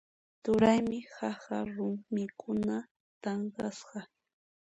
Turaymi qaqa rumikunata tanqasqa.